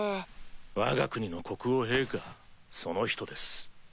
わが国の国王陛下その人です。